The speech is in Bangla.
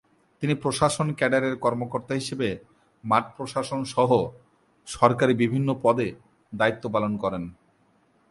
তিনি প্রশাসন ক্যাডারের কর্মকর্তা হিসেবে মাঠ প্রশাসন সহ সরকারি বিভিন্ন পদে দায়িত্ব পালন করেন।